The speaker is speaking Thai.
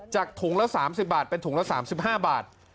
ถุงละ๓๐บาทเป็นถุงละ๓๕บาท